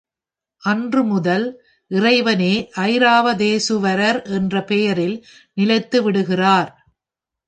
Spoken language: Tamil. அன்று முதல் இறைவனே ஐராவதேசுவரர் என்ற பெயரில் நிலைத்து விடுகிறார்.